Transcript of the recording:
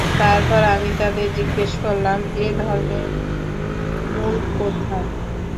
তারপর আমি তাদের জিজ্ঞেস করলাম, এ ধর্মের মূল কোথায়?